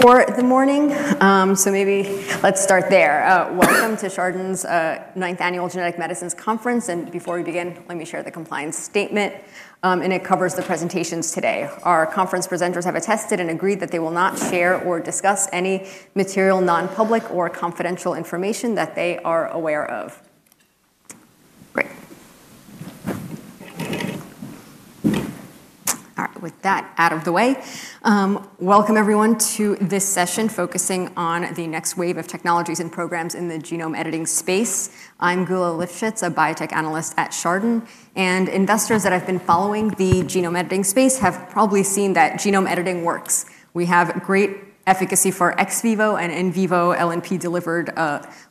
For the morning. Maybe let's start there. Welcome to Chardan's ninth annual Genetic Medicines Conference. Before we begin, let me share the compliance statement. It covers the presentations today. Our conference presenters have attested and agreed that they will not share or discuss any material, non-public or confidential information that they are aware of. Great. All right. With that out of the way, welcome everyone to this session focusing on the next wave of technologies and programs in the genome editing space. I'm Gula Lifshitz, a Biotech Analyst at Chardan. Investors that have been following the genome editing space have probably seen that genome editing works. We have great efficacy for ex vivo and in vivo LNP delivered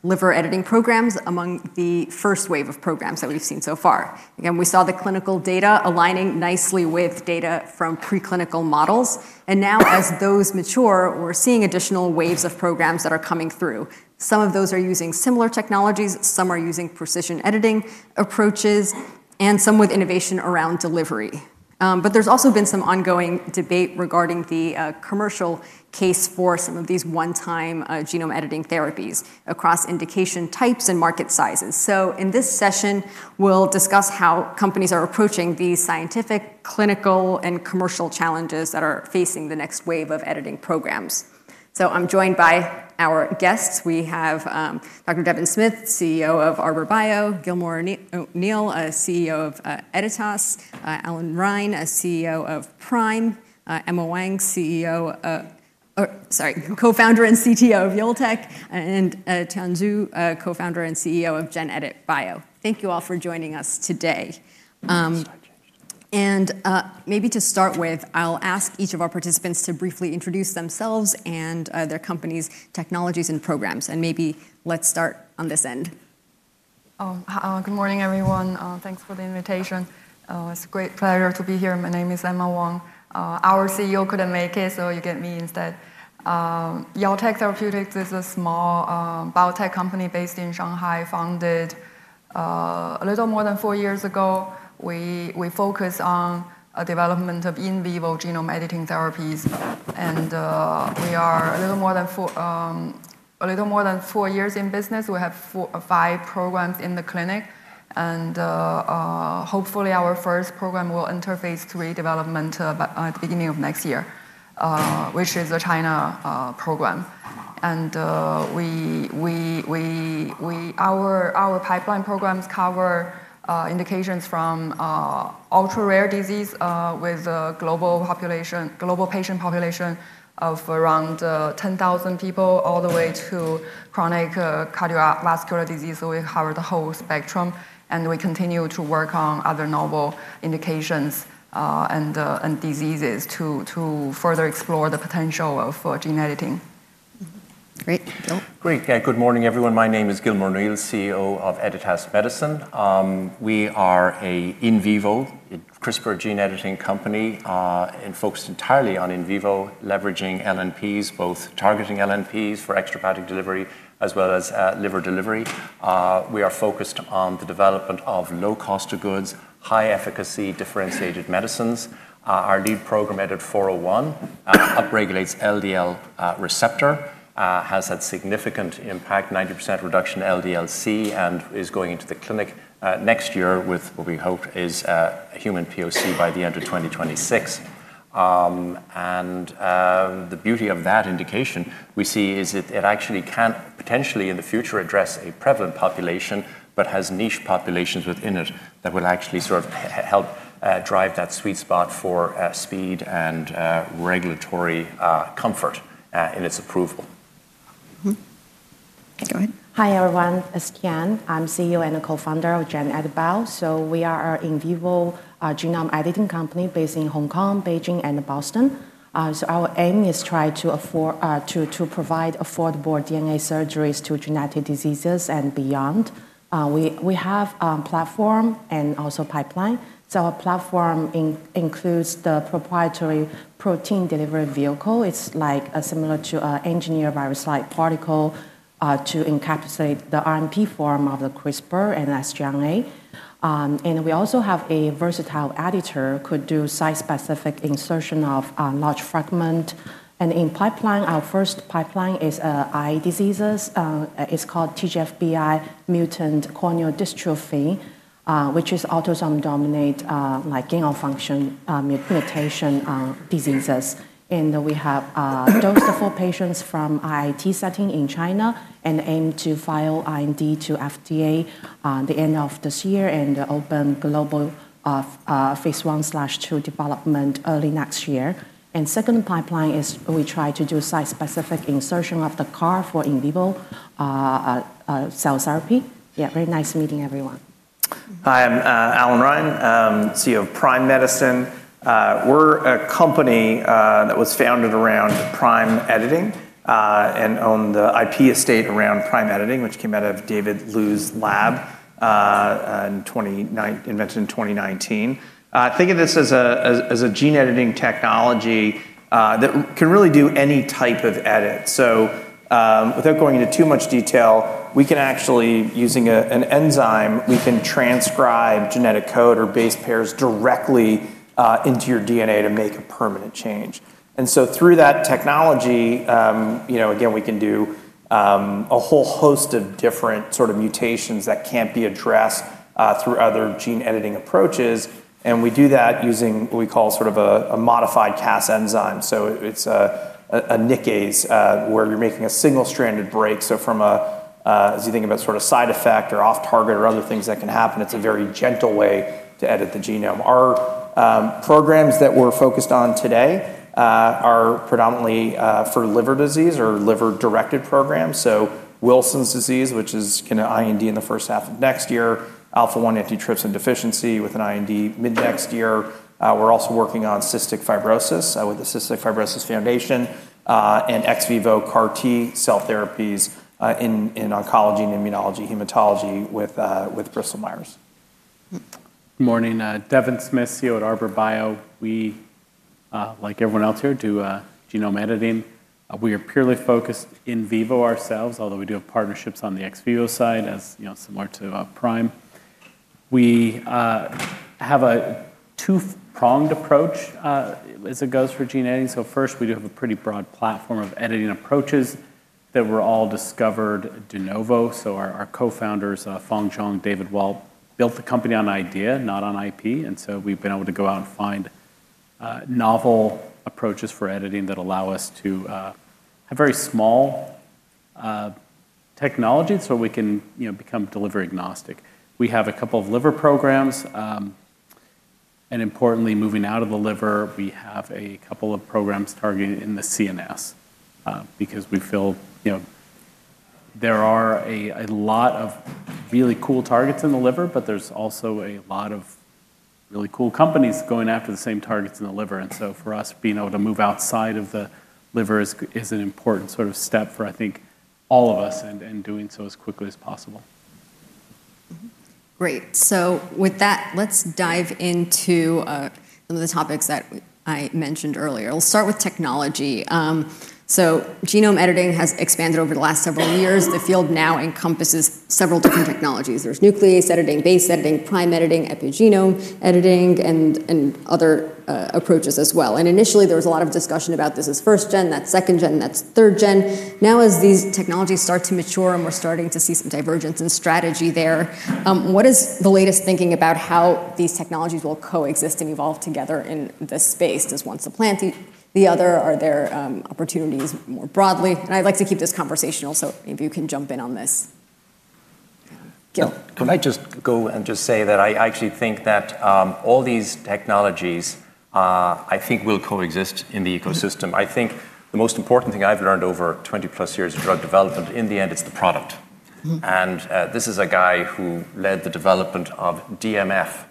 liver editing programs among the first wave of programs that we've seen so far. We saw the clinical data aligning nicely with data from preclinical models. As those mature, we're seeing additional waves of programs that are coming through. Some of those are using similar technologies. Some are using precision editing approaches and some with innovation around delivery. There's also been some ongoing debate regarding the commercial case for some of these one-time genome editing therapies across indication types and market sizes. In this session, we'll discuss how companies are approaching the scientific, clinical, and commercial challenges that are facing the next wave of editing programs. I'm joined by our guests. We have Devyn Smith, CEO of Arbor, Gilmore O'Neill, CEO of Editas, Allan Reine, CEO of Prime, Emma Wang, Co-founder and CTO of YolTech, and Tian Zhu, Co-founder and CEO of GenEdit Bio. Thank you all for joining us today. To start with, I'll ask each of our participants to briefly introduce themselves and their companies, technologies, and programs. Maybe let's start on this end. Good morning, everyone. Thanks for the invitation. It's a great pleasure to be here. My name is Emma Wang. Our CEO couldn't make it, so you get me instead. YolTech Therapeutics is a small biotech company based in Shanghai, founded a little more than four years ago. We focus on the development of in vivo genome editing therapies. We are a little more than four years in business. We have five programs in the clinic. Hopefully, our first program will interface to redevelopment at the beginning of next year, which is a China program. Our pipeline programs cover indications from ultra-rare disease with a global patient population of around 10,000 people, all the way to chronic cardiovascular disease. We cover the whole spectrum. We continue to work on other novel indications and diseases to further explore the potential for gene editing. Great. Gil. Great. Yeah, good morning, everyone. My name is Gilmore O'Neill, CEO of Editas Medicine. We are an in vivo CRISPR gene editing company focused entirely on in vivo leveraging LNPs, both targeting LNPs for extra hepatic delivery as well as liver delivery. We are focused on the development of low cost of goods, high efficacy, differentiated medicines. Our lead program, EDIT-401, upregulates LDL receptor, has had significant impact, 90% reduction in LDL-C, and is going into the clinic next year with what we hope is a human POC by the end of 2026. The beauty of that indication we see is that it actually can potentially, in the future, address a prevalent population, but has niche populations within it that will actually sort of help drive that sweet spot for speed and regulatory comfort in its approval. Go ahead. Hi, everyone. It's Tian Zhu. I'm CEO and a co-founder of GenEdit Bio. We are an in vivo genome editing company based in Hong Kong, Beijing, and Boston. Our aim is to provide affordable DNA surgeries to genetic diseases and beyond. We have a platform and also a pipeline. Our platform includes the proprietary protein delivery vehicle. It's similar to an engineered virus-like particle to encapsulate the RNP form of the CRISPR and sgRNA. We also have a versatile editor that could do site-specific insertion of large fragments. In pipeline, our first pipeline is eye diseases. It's called TGFBI mutant corneal dystrophy, which is autosomal dominant like gain of function mutation diseases. We have dosed four patients from IIT setting in China and aim to file IND to FDA at the end of this year and open global phase one/two development early next year. The second pipeline is we try to do site-specific insertion of the CAR for in vivo cell therapy. Very nice meeting everyone. Hi, I'm Allan Reine, CEO of Prime Medicine. We're a company that was founded around prime editing and owned the IP estate around prime editing, which came out of David Liu's lab in 2019, invented in 2019. Think of this as a gene editing technology that can really do any type of edit. Without going into too much detail, we can actually, using an enzyme, transcribe genetic code or base pairs directly into your DNA to make a permanent change. Through that technology, we can do a whole host of different sort of mutations that can't be addressed through other gene editing approaches. We do that using what we call sort of a modified Cas enzyme. It's a nickase where you're making a single stranded break. As you think about sort of side effect or off target or other things that can happen, it's a very gentle way to edit the genome. Our programs that we're focused on today are predominantly for liver disease or liver-directed programs. Wilson's disease, which is going to IND in the first half of next year, alpha-1 antitrypsin deficiency with an IND mid next year. We're also working on cystic fibrosis with the Cystic Fibrosis Foundation and ex vivo CAR T cell therapies in oncology, immunology, hematology with Bristol Myers. Morning. Devyn Smith, CEO at Arbor. We, like everyone else here, do genome editing. We are purely focused in vivo ourselves, although we do have partnerships on the ex vivo side, as similar to Prime Medicine. We have a two-pronged approach, as it goes for gene editing. First, we do have a pretty broad platform of editing approaches that were all discovered de novo. Our co-founders, Feng Zhang and David Walt, built the company on idea, not on IP. We have been able to go out and find novel approaches for editing that allow us to have very small technologies so we can become delivery agnostic. We have a couple of liver programs. Importantly, moving out of the liver, we have a couple of programs targeting in the CNS because we feel there are a lot of really cool targets in the liver, but there's also a lot of really cool companies going after the same targets in the liver. For us, being able to move outside of the liver is an important sort of step for, I think, all of us and doing so as quickly as possible. Great. With that, let's dive into some of the topics that I mentioned earlier. We'll start with technology. Genome editing has expanded over the last several years. The field now encompasses several different technologies. There's nuclease editing, base editing, prime editing, epigenome editing, and other approaches as well. Initially, there was a lot of discussion about this as first gen, that's second gen, that's third gen. Now, as these technologies start to mature and we're starting to see some divergence in strategy there, what is the latest thinking about how these technologies will coexist and evolve together in this space? Does one supplant the other? Are there opportunities more broadly? I'd like to keep this conversational, so maybe you can jump in on this, Gil. Can I just go and just say that I actually think that all these technologies, I think, will coexist in the ecosystem. I think the most important thing I've learned over 20+ years of drug development, in the end, it's the product. This is a guy who led the development of DMF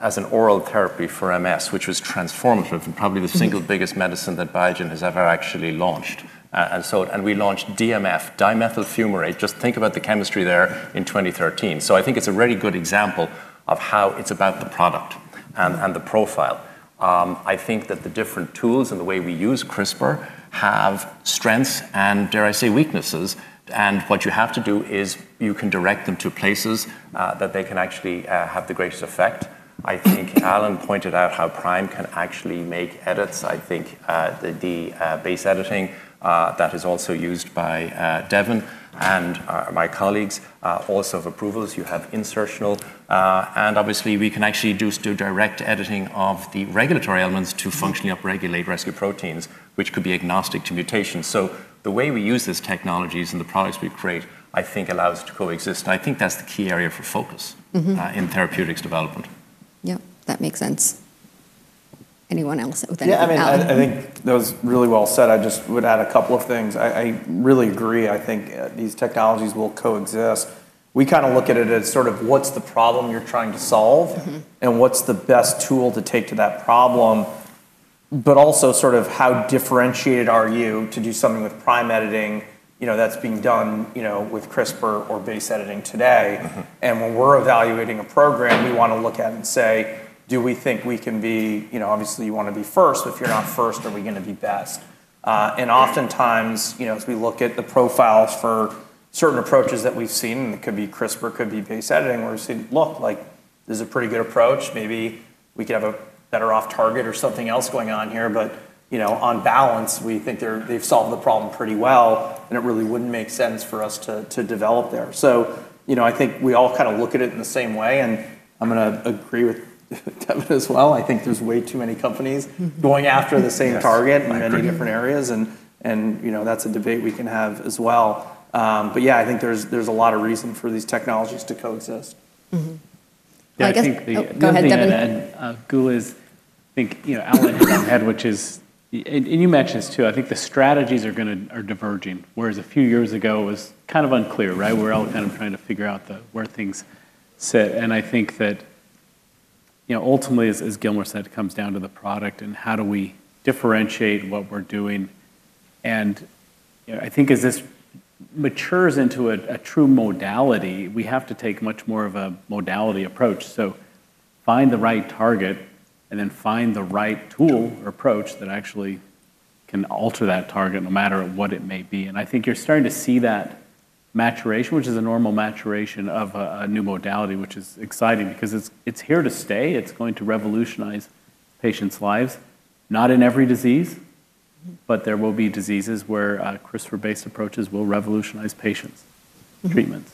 as an oral therapy for MS, which was transformative and probably the single biggest medicine that Biogen has ever actually launched. We launched DMF, dimethyl fumarate. Just think about the chemistry there in 2013. I think it's a really good example of how it's about the product and the profile. I think that the different tools and the way we use CRISPR have strengths and, dare I say, weaknesses. What you have to do is you can direct them to places that they can actually have the greatest effect. I think Allan pointed out how Prime can actually make edits. I think the base editing that is also used by Devyn and my colleagues also have approvals. You have insertional. Obviously, we can actually do direct editing of the regulatory elements to functionally upregulate rescue proteins, which could be agnostic to mutations. The way we use these technologies and the products we create, I think, allows us to coexist. I think that's the key area for focus in therapeutics development. Yeah, that makes sense. Anyone else with anything? Yeah, I mean, I think that was really well said. I just would add a couple of things. I really agree. I think these technologies will coexist. We kind of look at it as sort of what's the problem you're trying to solve and what's the best tool to take to that problem, but also sort of how differentiated are you to do something with prime editing that's being done with CRISPR or base editing today. When we're evaluating a program, we want to look at it and say, do we think we can be, obviously, you want to be first. If you're not first, are we going to be best? Oftentimes, as we look at the profiles for certain approaches that we've seen, and it could be CRISPR, could be base editing, where we've seen, look, like this is a pretty good approach. Maybe we could have a better off target or something else going on here. On balance, we think they've solved the problem pretty well. It really wouldn't make sense for us to develop there. I think we all kind of look at it in the same way. I'm going to agree with Devyn as well. I think there's way too many companies going after the same target in many different areas. That's a debate we can have as well. Yeah, I think there's a lot of reason for these technologies to coexist. I think. Go ahead,. I think Allan hit on the head, which is, and you mentioned this too, I think the strategies are diverging, whereas a few years ago, it was kind of unclear, right? We were all kind of trying to figure out where things sit. I think that ultimately, as Gilmore said, it comes down to the product and how do we differentiate what we're doing. I think as this matures into a true modality, we have to take much more of a modality approach. Find the right target and then find the right tool or approach that actually can alter that target no matter what it may be. I think you're starting to see that maturation, which is a normal maturation of a new modality, which is exciting because it's here to stay. It's going to revolutionize patients' lives. Not in every disease, but there will be diseases where CRISPR-based approaches will revolutionize patients' treatments.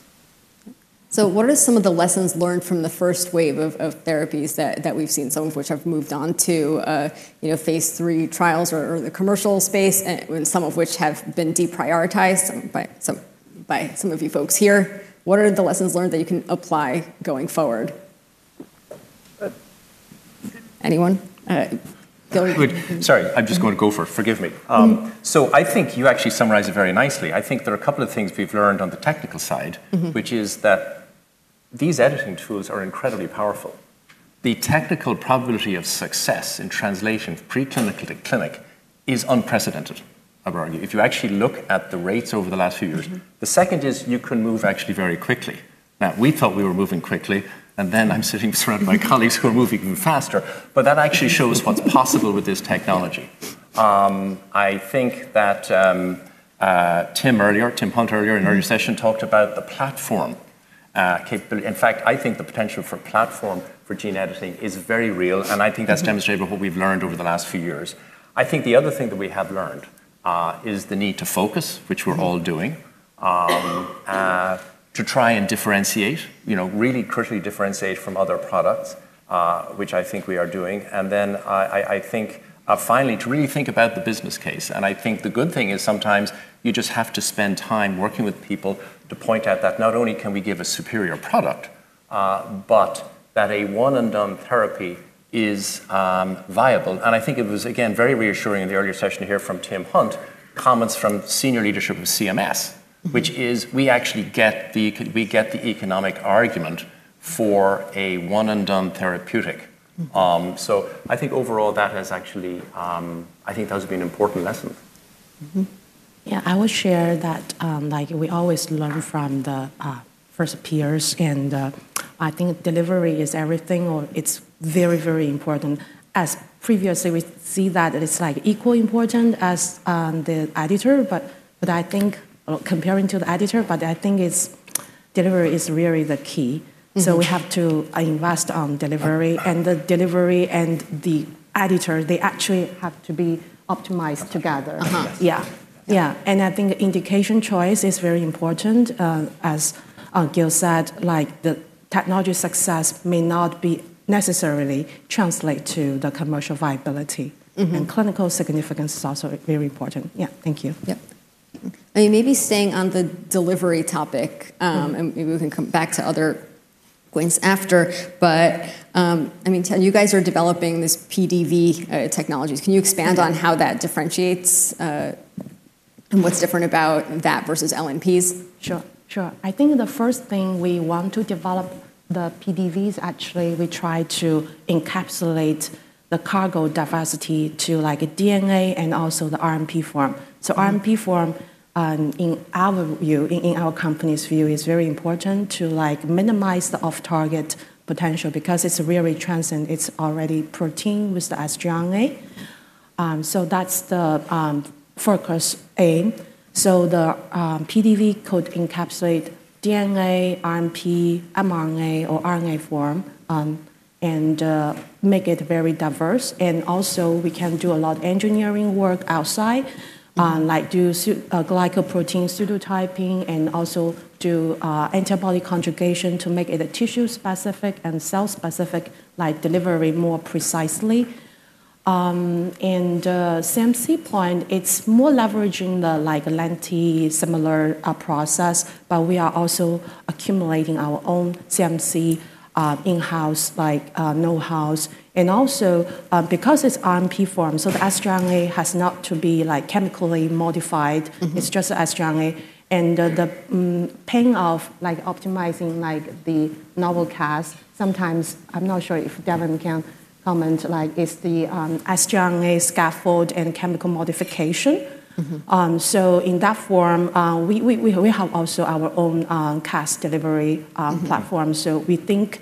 What are some of the lessons learned from the first wave of therapies that we've seen, some of which have moved on to phase three trials or the commercial space, and some of which have been deprioritized by some of you folks here? What are the lessons learned that you can apply going forward? Anyone? I'm just going to go for it. Forgive me. I think you actually summarized it very nicely. I think there are a couple of things we've learned on the technical side, which is that these editing tools are incredibly powerful. The technical probability of success in translation preclinical to clinic is unprecedented, I would argue, if you actually look at the rates over the last few years. The second is you can move actually very quickly. We thought we were moving quickly. I'm sitting with my colleagues who are moving even faster. That actually shows what's possible with this technology. I think that Tim Hunt earlier in our session talked about the platform capability. In fact, I think the potential for platform for genome editing is very real. I think that's demonstrated by what we've learned over the last few years. The other thing that we have learned is the need to focus, which we're all doing, to try and differentiate, really critically differentiate from other products, which I think we are doing. Finally, to really think about the business case. I think the good thing is sometimes you just have to spend time working with people to point out that not only can we give a superior product, but that a one-and-done therapy is viable. I think it was, again, very reassuring in the earlier session to hear from Tim Hunt comments from senior leadership of CMS, which is we actually get the economic argument for a one-and-done therapeutic. I think overall that has actually, I think that has been an important lesson. I would share that we always learn from the first peers. I think delivery is everything. It's very, very important. Previously, we see that it's equally important as the editor. Comparing to the editor, I think delivery is really the key. We have to invest on delivery. The delivery and the editor actually have to be optimized together. I think indication choice is very important. As Gil said, the technology success may not necessarily translate to the commercial viability. Clinical significance is also very important. Thank you. Yeah. I mean, maybe staying on the delivery topic, and maybe we can come back to other points after. I mean, Tian, you guys are developing this PDV technologies. Can you expand on how that differentiates and what's different about that versus LNPs? Sure. I think the first thing we want to develop with the PDVs, actually, we try to encapsulate the cargo diversity to DNA and also the RNP form. RNP form, in our view, in our company's view, is very important to minimize the off-target potential because it's really transient. It's already protein with the sgRNA. That's the focus aim. The PDV could encapsulate DNA, RNP, mRNA, or RNA form and make it very diverse. We can do a lot of engineering work outside, like do glycoprotein pseudotyping and also do antibody conjugation to make it a tissue-specific and cell-specific delivery more precisely. On the CMC point, it's more leveraging the like Lenti similar process. We are also accumulating our own CMC in-house know-hows. Because it's RNP form, the sgRNA does not have to be chemically modified. It's just the sgRNA. The pain of optimizing the novel Cas, sometimes I'm not sure if Devyn can comment, like it's the sgRNA scaffold and chemical modification. In that form, we have also our own Cas delivery platform. We think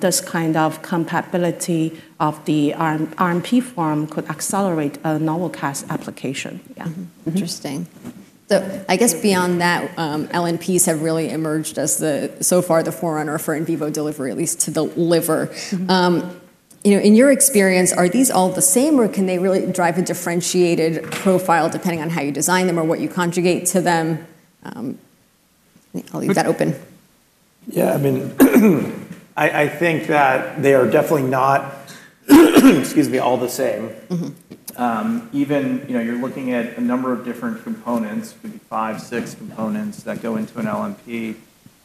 this kind of compatibility of the RNP form could accelerate a novel Cas application. Yeah. Interesting. I guess beyond that, LNPs have really emerged as the, so far, the forerunner for in vivo delivery, at least to the liver. In your experience, are these all the same, or can they really drive a differentiated profile depending on how you design them or what you conjugate to them? I'll leave that open. Yeah, I mean, I think that they are definitely not all the same. Even you're looking at a number of different components, maybe five, six components that go into an LNP.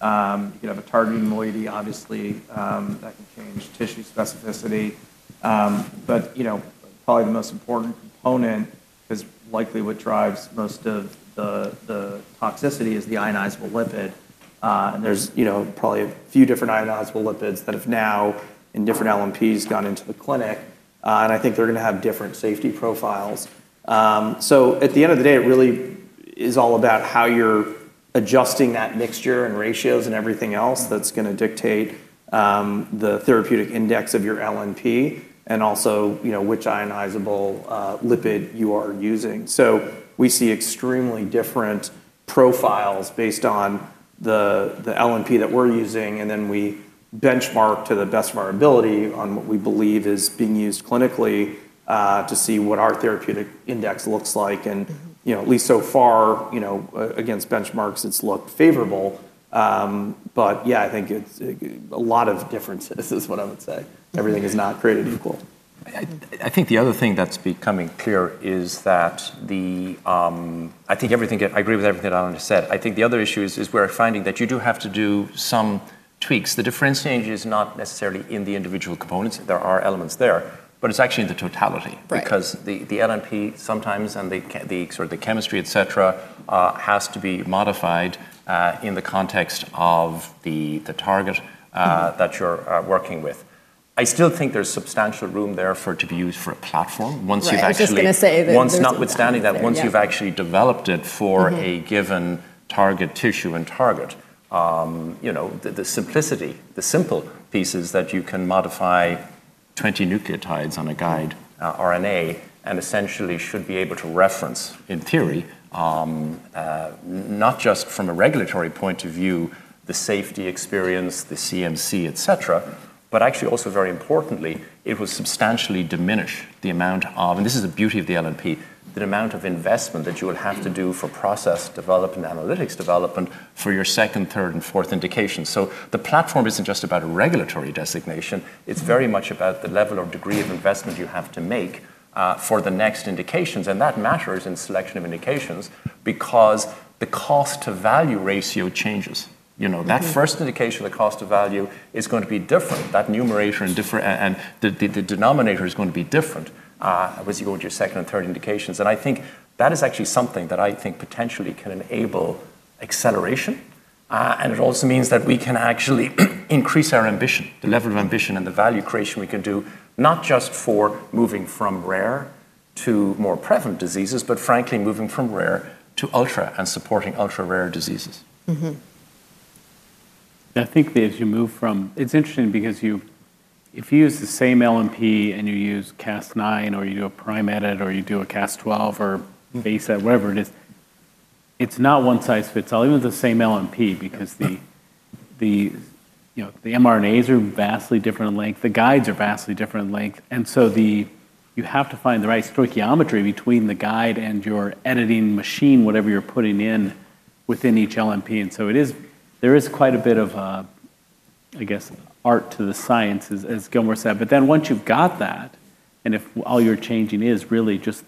You could have a targeting moiety, obviously, that can change tissue specificity. Probably the most important component is likely what drives most of the toxicity is the ionizable lipid. There's probably a few different ionizable lipids that have now, in different LNPs, gone into the clinic. I think they're going to have different safety profiles. At the end of the day, it really is all about how you're adjusting that mixture and ratios and everything else that's going to dictate the therapeutic index of your LNP and also which ionizable lipid you are using. We see extremely different profiles based on the LNP that we're using. We benchmark to the best of our ability on what we believe is being used clinically to see what our therapeutic index looks like. At least so far, against benchmarks, it's looked favorable. I think it's a lot of differences, is what I would say. Everything is not created equal. I think the other thing that's becoming clear is that I agree with everything that Allan has said. I think the other issue is we're finding that you do have to do some tweaks. The differentiation is not necessarily in the individual components. There are elements there, but it's actually in the totality because the LNP sometimes and the sort of the chemistry, et cetera, has to be modified in the context of the target that you're working with. I still think there's substantial room there for it to be used for a platform. I was just going to say that. Notwithstanding that, once you've actually developed it for a given target tissue and target, the simplicity, the simple pieces that you can modify 20 nucleotides on a guide RNA and essentially should be able to reference, in theory, not just from a regulatory point of view, the safety experience, the CMC, etc., but actually also, very importantly, it will substantially diminish the amount of, and this is the beauty of the LNP, the amount of investment that you will have to do for process development, analytics development for your second, third, and fourth indication. The platform isn't just about regulatory designation. It's very much about the level or degree of investment you have to make for the next indications. That matters in selection of indications because the cost-to-value ratio changes. That first indication of the cost-to-value is going to be different. That numerator and the denominator is going to be different as you go into your second and third indications. I think that is actually something that I think potentially can enable acceleration. It also means that we can actually increase our ambition, the level of ambition and the value creation we can do, not just for moving from rare to more prevalent diseases, but frankly, moving from rare to ultra and supporting ultra-rare diseases. I think as you move from, it's interesting because if you use the same LNP and you use Cas9 or you do a prime edit or you do a Cas12 or base edit, whatever it is, it's not one size fits all, even with the same LNP because the mRNAs are vastly different in length. The guides are vastly different in length. You have to find the right stoichiometry between the guide and your editing machine, whatever you're putting in within each LNP. There is quite a bit of, I guess, art to the science, as Gilmore said. Once you've got that, if all you're changing is really just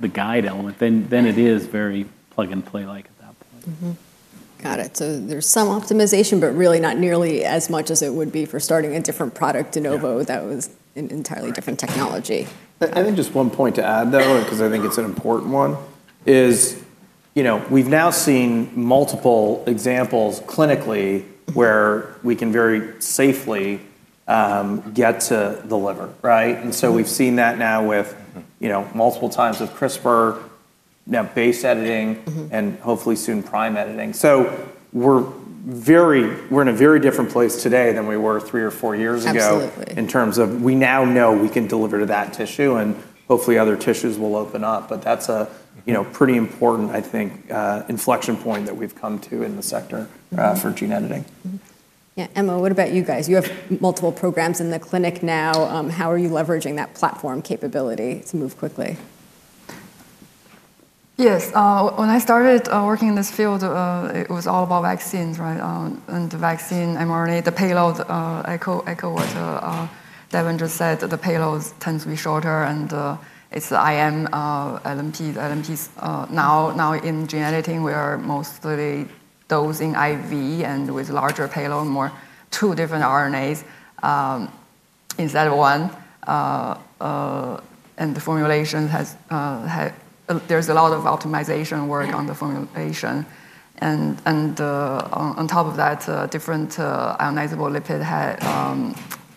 the guide element, then it is very plug and play like at that point. There's some optimization, but really not nearly as much as it would be for starting a different product de novo that was an entirely different technology. I think just one point to add, because I think it's an important one, is we've now seen multiple examples clinically where we can very safely get to the liver, right? We've seen that now with multiple times of CRISPR, now base editing, and hopefully soon prime editing. We're in a very different place today than we were three or four years ago in terms of we now know we can deliver to that tissue. Hopefully, other tissues will open up. That's a pretty important, I think, inflection point that we've come to in the sector for gene editing. Emma, what about you guys? You have multiple programs in the clinic now. How are you leveraging that platform capability to move quickly? Yes. When I started working in this field, it was all about vaccines, right? The vaccine mRNA, the payload, echo what Devyn just said, the payload tends to be shorter. It's the IM LNP. Now in gene editing, we are mostly dosing IV and with larger payload, more two different RNAs instead of one. The formulation has, there's a lot of optimization work on the formulation. On top of that, different ionizable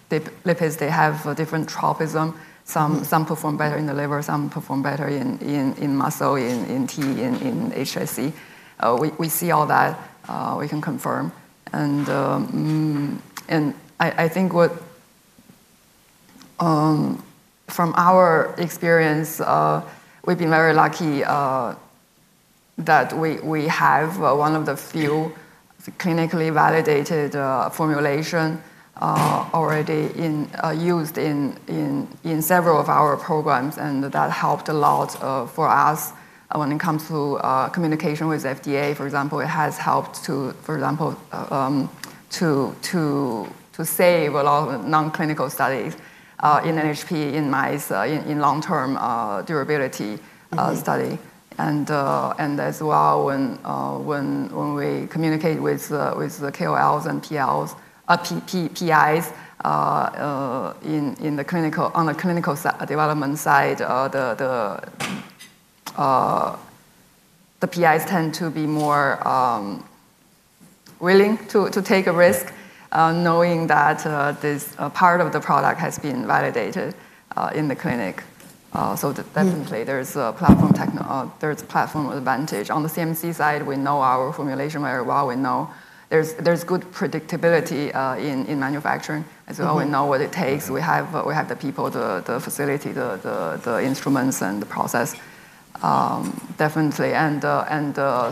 lipids, they have different tropism. Some perform better in the liver. Some perform better in muscle, in T, in HSC. We see all that. We can confirm. I think from our experience, we've been very lucky that we have one of the few clinically validated formulations already used in several of our programs. That helped a lot for us when it comes to communication with FDA. For example, it has helped to save a lot of non-clinical studies in NHP in mice in long-term durability study. As well, when we communicate with the KOLs and PIs on the clinical development side, the PIs tend to be more willing to take a risk knowing that this part of the product has been validated in the clinic. Definitely, there's a platform advantage. On the CMC side, we know our formulation very well. We know there's good predictability in manufacturing as well. We know what it takes. We have the people, the facility, the instruments, and the process, definitely.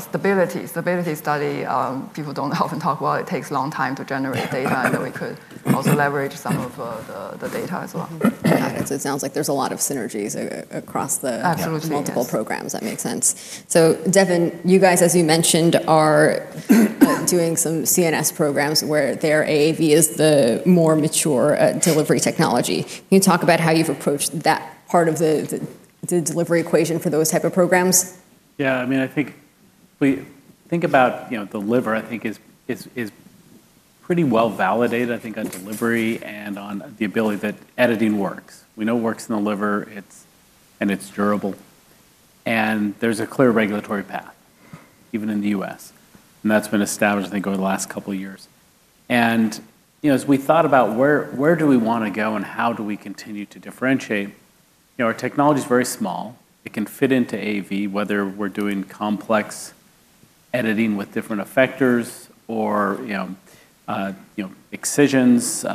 Stability. Stability study, people don't often talk about it. It takes a long time to generate data. We could also leverage some of the data as well. It sounds like there's a lot of synergies across the multiple programs. That makes sense. Devyn, you guys, as you mentioned, are doing some CNS programs where AAV is the more mature delivery technology. Can you talk about how you've approached that part of the delivery equation for those types of programs? Yeah, I mean, I think if we think about the liver, I think it's pretty well validated, I think, on delivery and on the ability that editing works. We know it works in the liver, and it's durable. There's a clear regulatory path, even in the U.S., and that's been established, I think, over the last couple of years. As we thought about where do we want to go and how do we continue to differentiate, our technology is very small. It can fit into AAV, whether we're doing complex editing with different effectors or excisions,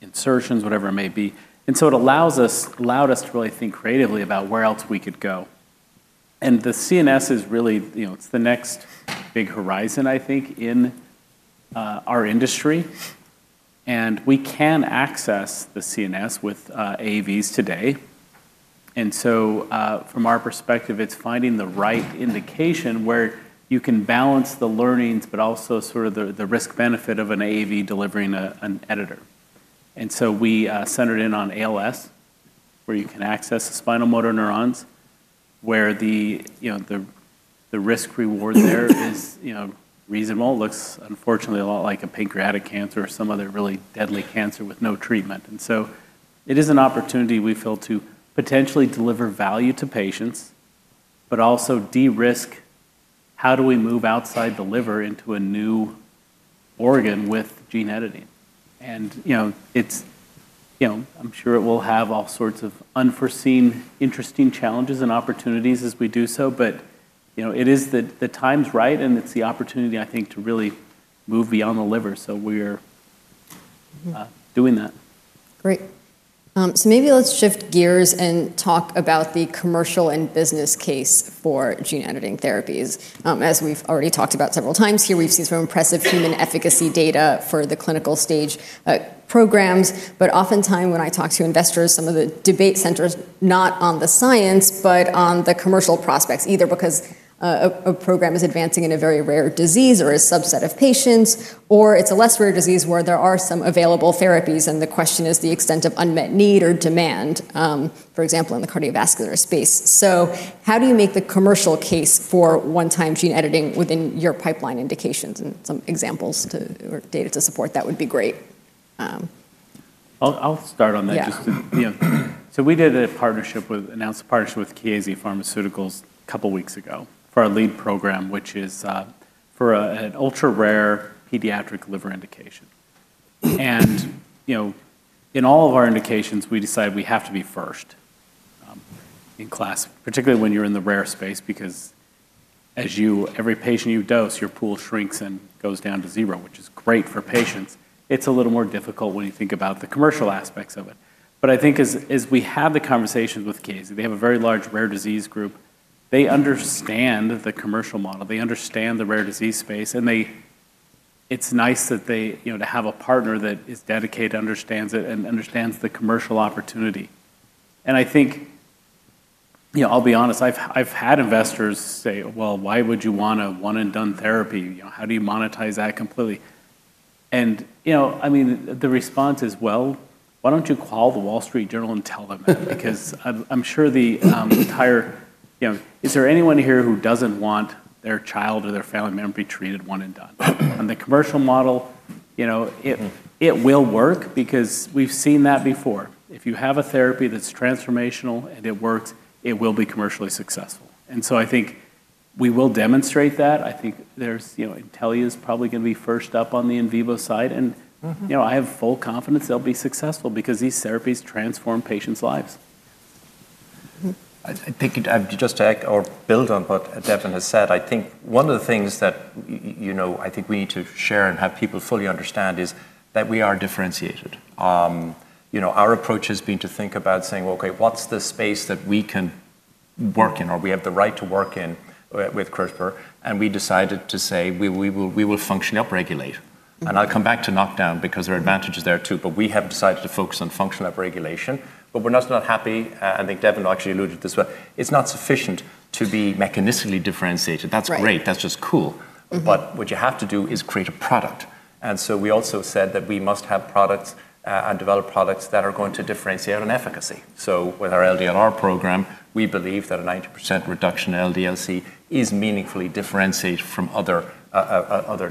insertions, whatever it may be. It allowed us to really think creatively about where else we could go. The CNS is really, it's the next big horizon, I think, in our industry. We can access the CNS with AAVs today. From our perspective, it's finding the right indication where you can balance the learnings, but also sort of the risk-benefit of an AAV delivering an editor. We centered in on ALS, where you can access the spinal motor neurons, where the risk-reward there is reasonable. It looks unfortunately a lot like a pancreatic cancer or some other really deadly cancer with no treatment. It is an opportunity, we feel, to potentially deliver value to patients, but also de-risk how do we move outside the liver into a new organ with gene editing. I'm sure it will have all sorts of unforeseen, interesting challenges and opportunities as we do so. It is the time's right, and it's the opportunity, I think, to really move beyond the liver. We are doing that. Great. Maybe let's shift gears and talk about the commercial and business case for gene editing therapies. As we've already talked about several times here, we've seen some impressive human efficacy data for the clinical stage programs. Oftentimes, when I talk to investors, some of the debate centers are not on the science, but on the commercial prospects, either because a program is advancing in a very rare disease or a subset of patients, or it's a less rare disease where there are some available therapies. The question is the extent of unmet need or demand, for example, in the cardiovascular space. How do you make the commercial case for one-time gene editing within your pipeline indications? Some examples or data to support that would be great. I'll start on that. Yeah. We did a partnership with, announced a partnership with KAZ Pharmaceuticals a couple of weeks ago for our lead program, which is for an ultra-rare pediatric liver indication. In all of our indications, we decide we have to be first in class, particularly when you're in the rare space because, as every patient you dose, your pool shrinks and goes down to zero, which is great for patients. It's a little more difficult when you think about the commercial aspects of it. I think as we have the conversations with KAZ, they have a very large rare disease group. They understand the commercial model. They understand the rare disease space. It's nice to have a partner that is dedicated, understands it, and understands the commercial opportunity. I think, I'll be honest, I've had investors say, why would you want a one-and-done therapy? How do you monetize that completely? The response is, why don't you call the Wall Street Journal and tell them that? I'm sure the entire, is there anyone here who doesn't want their child or their family member to be treated one-and-done? The commercial model, it will work because we've seen that before. If you have a therapy that's transformational and it works, it will be commercially successful. I think we will demonstrate that. I think Intellia is probably going to be first up on the in vivo side. I have full confidence they'll be successful because these therapies transform patients' lives. I think just to add or build on what Devyn has said, I think one of the things that I think we need to share and have people fully understand is that we are differentiated. Our approach has been to think about saying, ok, what's the space that we can work in or we have the right to work in with CRISPR? We decided to say we will functionally upregulate. I'll come back to knockdown because there are advantages there too. We have decided to focus on functional upregulation. We're not happy. I think Devyn actually alluded to this as well. It's not sufficient to be mechanistically differentiated. That's great. That's just cool. What you have to do is create a product. We also said that we must have products and develop products that are going to differentiate on efficacy. With our LDNR program, we believe that a 90% reduction in LDL-C is meaningfully differentiated from other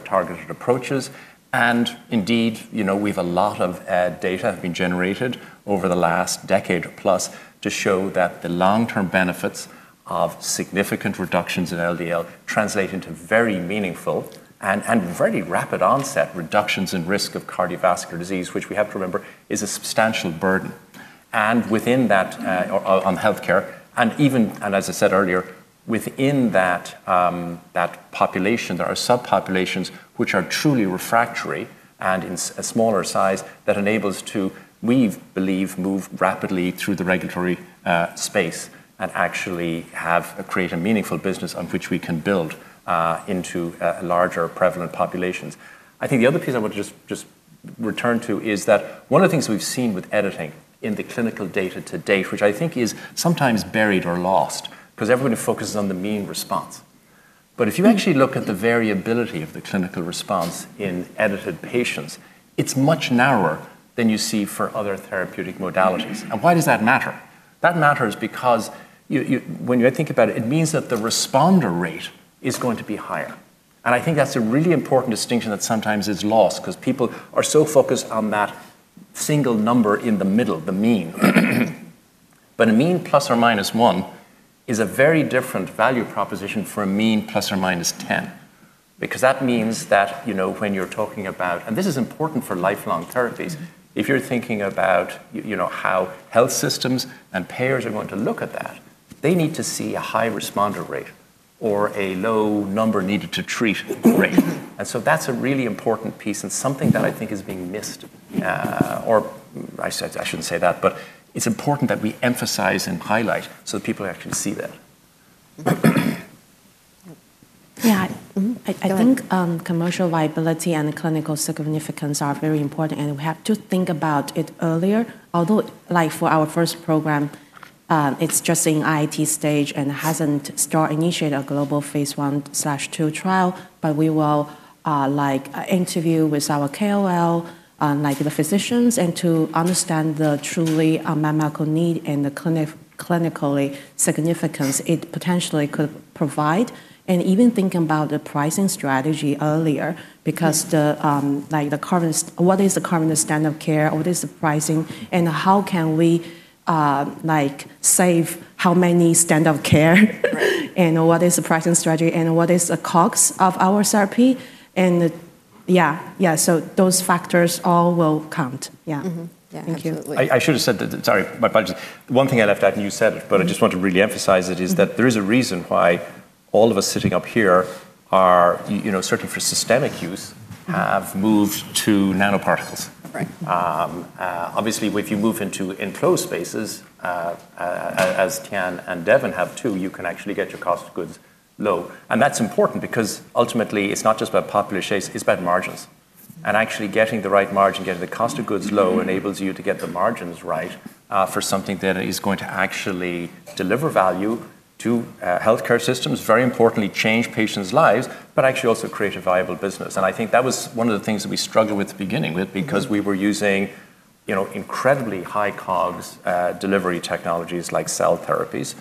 targeted approaches. Indeed, we have a lot of data that have been generated over the last decade or plus to show that the long-term benefits of significant reductions in LDL translate into very meaningful and very rapid onset reductions in risk of cardiovascular disease, which we have to remember is a substantial burden. Within that, on health care, and even, as I said earlier, within that population, there are subpopulations which are truly refractory and in a smaller size that enables us to, we believe, move rapidly through the regulatory space and actually create a meaningful business on which we can build into larger prevalent populations. I think the other piece I want to just return to is that one of the things we've seen with editing in the clinical data to date, which I think is sometimes buried or lost because everybody focuses on the mean response. If you actually look at the variability of the clinical response in edited patients, it's much narrower than you see for other therapeutic modalities. Why does that matter? That matters because when you think about it, it means that the responder rate is going to be higher. I think that's a really important distinction that sometimes is lost because people are so focused on that single number in the middle, the mean. A mean plus or -1 is a very different value proposition for a mean plus or +10 because that means that when you're talking about, and this is important for lifelong therapies, if you're thinking about how health systems and payers are going to look at that, they need to see a high responder rate or a low number needed to treat rate. That's a really important piece and something that I think is being missed. I shouldn't say that. It's important that we emphasize and highlight so that people actually see that. Yeah, I think commercial viability and clinical significance are very important. We have to think about it earlier. Although for our first program, it's just in IND stage and hasn't started initiating a global phase one/two trial, we will interview with our KOL, the physicians, to understand the true medical need and the clinical significance it potentially could provide. Even thinking about the pricing strategy earlier because the current, what is the current standard of care? What is the pricing? How can we save how many standard of care? What is the pricing strategy? What is the cost of our therapy? Yeah, those factors all will count. Yeah. Yeah, absolutely. I should have said that, sorry, my apologies. One thing I left out, and you said it, but I just want to really emphasize it, is that there is a reason why all of us sitting up here are searching for systemic use, have moved to nanoparticles. Obviously, if you move into enclosed spaces, as Tian and Devyn have too, you can actually get your cost of goods low. That's important because ultimately, it's not just about popular shakes. It's about margins. Actually getting the right margin, getting the cost of goods low enables you to get the margins right for something that is going to actually deliver value to health care systems, very importantly, change patients' lives, but actually also create a viable business. I think that was one of the things that we struggled with at the beginning because we were using incredibly high cost delivery technologies like cell therapies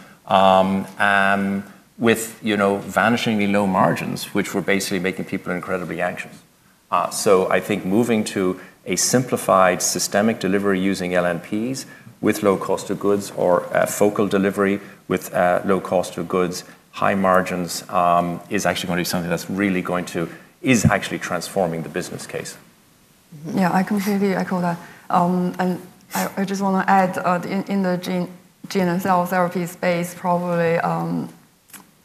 with vanishingly low margins, which were basically making people incredibly anxious. I think moving to a simplified systemic delivery using LNPs with low cost of goods or focal delivery with low cost of goods, high margins is actually going to be something that's really going to actually transform the business case. I completely echo that. I just want to add in the gene and cell therapy space, probably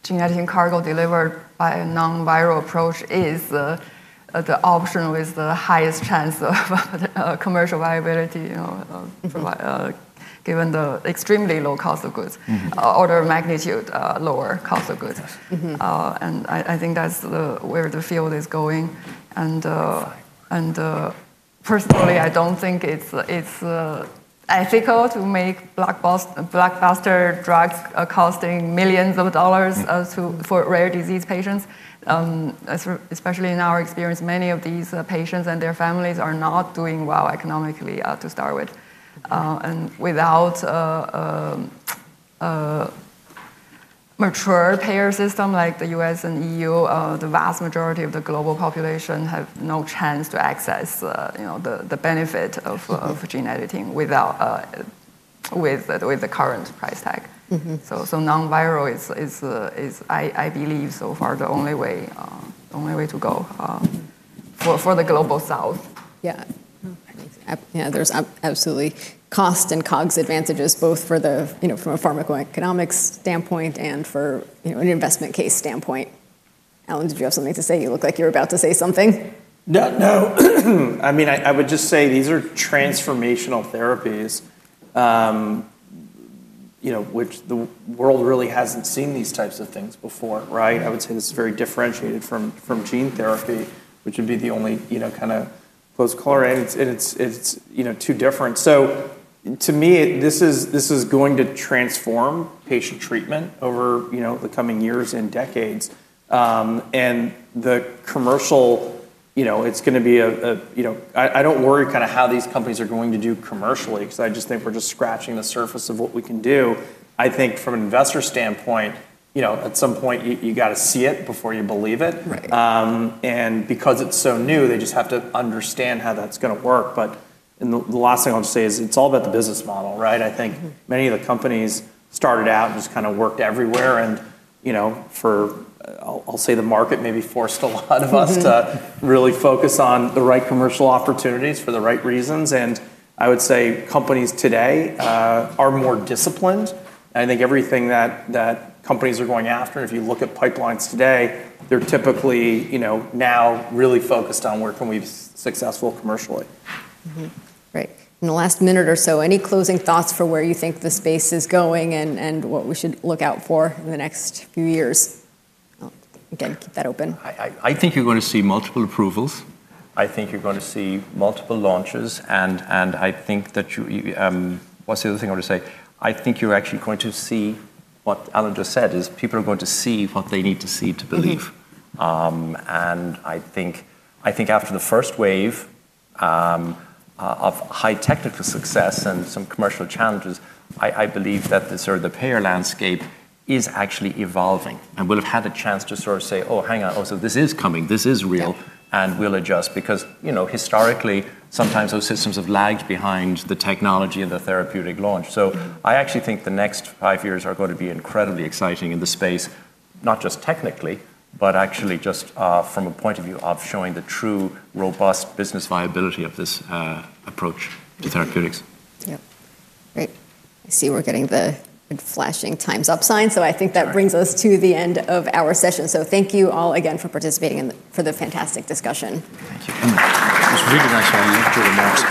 gene editing cargo delivered by a non-viral approach is the option with the highest chance of commercial viability, given the extremely low cost of goods, order of magnitude lower cost of goods. I think that's where the field is going. Personally, I don't think it's ethical to make blockbuster drugs costing millions of dollars for rare disease patients. Especially in our experience, many of these patients and their families are not doing well economically to start with. Without a mature payer system like the U.S. and EU, the vast majority of the global population have no chance to access the benefit of gene editing with the current price tag. Non-viral is, I believe, so far the only way to go for the global south. Yeah. Yeah, there's absolutely cost and cost advantages both from a pharmacoeconomics standpoint and from an investment case standpoint. Allan, did you have something to say? You looked like you were about to say something. Yeah, no. I mean, I would just say these are transformational therapies, which the world really hasn't seen these types of things before, right? I would say this is very differentiated from gene therapy, which would be the only kind of close caller. It's too different. To me, this is going to transform patient treatment over the coming years and decades. The commercial, it's going to be a, I don't worry kind of how these companies are going to do commercially because I just think we're just scratching the surface of what we can do. I think from an investor standpoint, at some point, you've got to see it before you believe it. Because it's so new, they just have to understand how that's going to work. The last thing I'll just say is it's all about the business model, right? I think many of the companies started out and just kind of worked everywhere. I'll say the market maybe forced a lot of us to really focus on the right commercial opportunities for the right reasons. I would say companies today are more disciplined. I think everything that companies are going after, and if you look at pipelines today, they're typically now really focused on where can we be successful commercially. Great. In the last minute or so, any closing thoughts for where you think the space is going and what we should look out for in the next few years? Again, keep that open. I think you're going to see multiple approvals. I think you're going to see multiple launches. I think that you, what's the other thing I want to say? I think you're actually going to see what Allan just said, people are going to see what they need to see to believe. I think after the first wave of high technical success and some commercial challenges, I believe that the payer landscape is actually evolving. We'll have had a chance to sort of say, oh, hang on. Oh, this is coming. This is real. We'll adjust because historically, sometimes those systems have lagged behind the technology and the therapeutic launch. I actually think the next five years are going to be incredibly exciting in the space, not just technically, but actually just from a point of view of showing the true robust business viability of this approach to therapeutics. Yeah. Great. I see we're getting the flashing times up sign. I think that brings us to the end of our session. Thank you all again for participating and for the fantastic discussion. Thank you. It was really nice having you. Give it a moment.